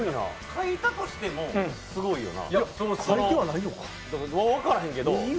書いたとしてもすごいよな。